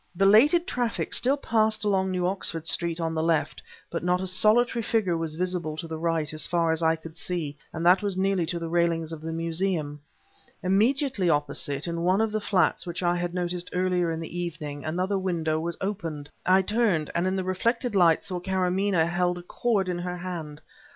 Belated traffic still passed along New Oxford Street on the left, but not a solitary figure was visible to the right, as far as I could see, and that was nearly to the railings of the Museum. Immediately opposite, in one of the flats which I had noticed earlier in the evening, another window was opened. I turned, and in the reflected light saw that Karamaneh held a cord in her hand.